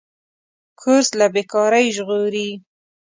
کورس له بېکارۍ ژغوري.